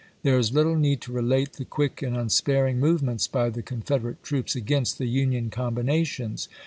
There is little need to relate the quick and unsparing movements by the Confederate troops against the Union combinations.